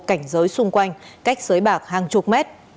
cảnh giới xung quanh cách sới bạc hàng chục mét